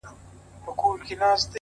سم به خو دوى راپسي مه ږغوه،